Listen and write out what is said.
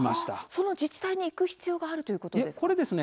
その自治体に行く必要があるということですか？